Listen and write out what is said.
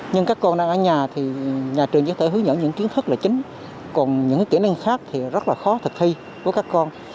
nhưng các con đang ở nhà thì nhà trường có thể hướng dẫn những kiến thức là chính còn những kỹ năng khác thì rất là khó thực thi với các con